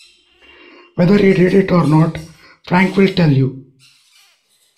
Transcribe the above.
Whether he did or not, Frank will tell you.